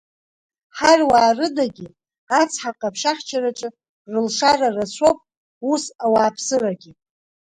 Ҳаруаа рыдагьы, Ацҳа ҟаԥшь ахьчараҿы рылшара рацәоуп ус ауааԥсырагьы…